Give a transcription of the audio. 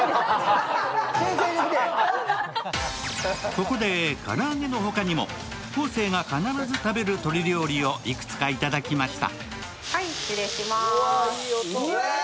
そこで唐揚げの他にも昴生が必ず食べる鶏料理をいくつかいただきました。